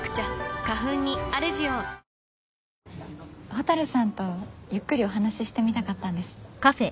蛍さんとゆっくりお話してみたかったんです。